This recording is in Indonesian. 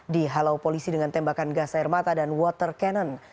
dihalau polisi dengan tembakan gas air mata dan water cannon